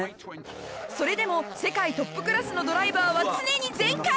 それでも世界トップクラスのドライバーは常に全開！